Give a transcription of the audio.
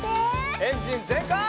エンジンぜんかい！